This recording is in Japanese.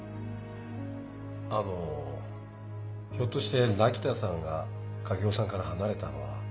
あのひょっとして凪田さんが影尾さんから離れたのは。